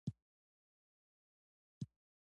د مس عینک کان په کوم ولایت کې موقعیت لري؟